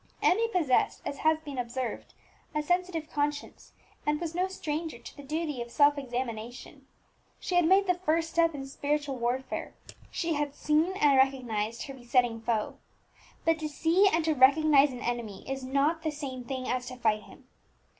Emmie possessed, as has been observed, a sensitive conscience, and was no stranger to the duty of self examination: she had made the first step in spiritual warfare, she had seen and recognized her besetting foe. But to see and to recognize an enemy is not the same thing as to fight him.